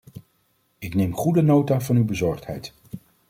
Ik neem goede nota van uw bezorgdheid.